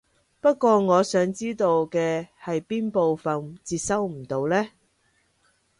不過我想知道嘅係邊部分接收唔到呢？